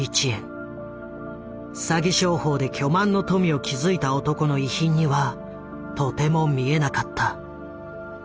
詐欺商法で巨万の富を築いた男の遺品にはとても見えなかった。